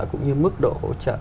cũng như mức độ hỗ trợ